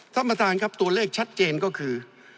ท่านประธานครับตัวเลขชัดเจนก็คือ